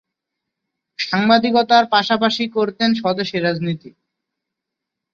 সাংবাদিকতার পাশাপাশি করতেন স্বদেশী রাজনীতি।